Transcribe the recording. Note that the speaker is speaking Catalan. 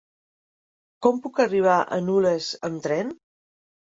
Com puc arribar a Nulles amb tren?